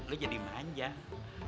kalau aku jadi tambah sayang sama lu